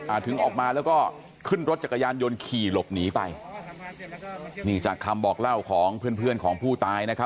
ถึงออกมาแล้วก็ขึ้นรถจักรยานยนต์ขี่หลบหนีไปนี่จากคำบอกเล่าของเพื่อนเพื่อนของผู้ตายนะครับ